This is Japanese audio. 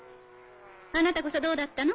あなたこそどうだったの？